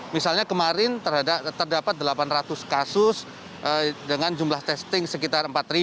misalnya kemarin terdapat delapan ratus kasus dengan jumlah testing sekitar empat ratus